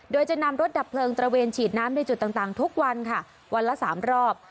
โดยจะนำรถดับเพลิงตระเวนฉีดน้ำในจุดต่างทุกวันค่ะวันละ๓รอบ